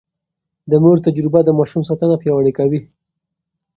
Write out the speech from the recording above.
د مور تجربه د ماشوم ساتنه پياوړې کوي.